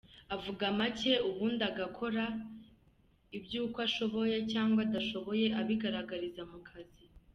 Avuga make ubundi agakora, iby’uko ashoboye cyangwa adashoboye abigaragariza mu kazi.